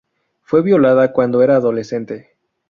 Fue violada cuando era adolescente.